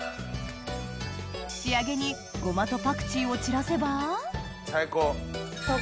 仕上げにゴマとパクチーを散らせば最高。